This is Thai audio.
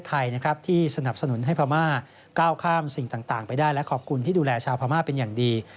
ไทยนะครับที่สนับสนุนให้พม่าก้าวข้ามสิ่งต่างไปได้และขอบคุณที่ดูแลชาวพม่าเป็นอย่างดี